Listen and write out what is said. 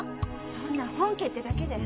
そんな本家ってだけで。